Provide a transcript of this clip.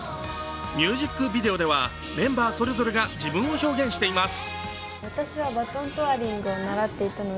ミュージックビデオではメンバーそれぞれが自分を表現しています。